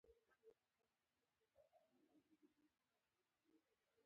دا مینه په اصل کې له یو ځانګړي ځایه سرچینه اخلي